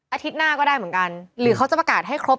อาทิตย์หน้าก็ได้เหมือนกันหรือเขาจะประกาศให้ครบ